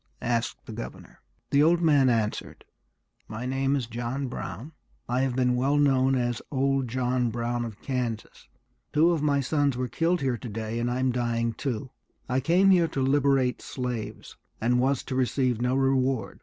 asked the governor. The old man answered, "My name is John Brown; I have been well known as old John Brown of Kansas. Two of my sons were killed here to day, and I'm dying too. I came here to liberate slaves, and was to receive no reward.